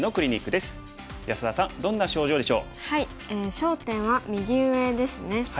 焦点は右上ですね。